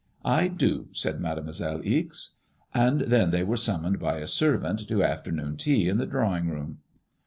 I do/' said Mademoiselle Ixe. And then they were summoned by a servant to afternoon tea in the drawing room.